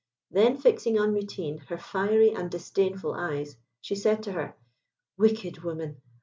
Then fixing on Mutine her fiery and disdainful eyes, she said to her, "Wicked woman!